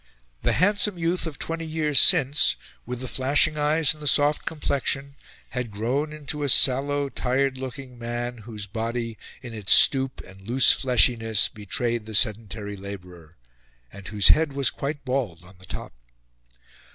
The handsome youth of twenty years since with the flashing eyes and the soft complexion had grown into a sallow, tired looking man, whose body, in its stoop and its loose fleshiness, betrayed the sedentary labourer, and whose head was quite bald on the top.